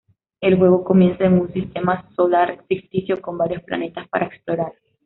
El juego comienza en un sistema solar ficticio con varios planetas para explorar.